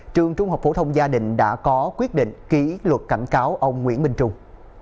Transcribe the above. trường trung học phổ thông gia đình đã có quyết định ký luật cảnh cáo ông nguyễn minh trung